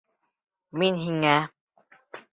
Мин һиңә.